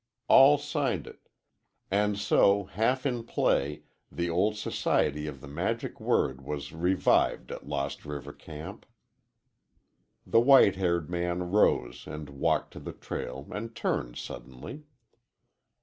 "_ All signed it, and so half in play the old Society of the Magic Word was revived at Lost River camp. The white haired man rose and walked to the trail and turned suddenly.